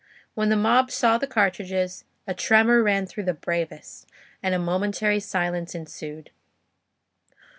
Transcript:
When the mob saw the cartridges, a tremor ran through the bravest, and a momentary silence ensued.